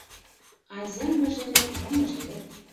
Азям мыжерет мо мыжерет